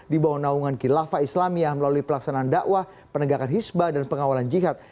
di bawah naungan kilafah islamiyah melalui pelaksanaan dakwah penegakan hisbah dan pengawalan jihad